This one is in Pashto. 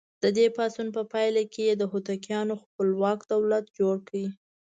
د دې پاڅون په پایله کې یې د هوتکیانو خپلواک دولت جوړ کړ.